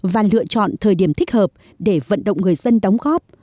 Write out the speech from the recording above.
và lựa chọn thời điểm thích hợp để vận động người dân đóng góp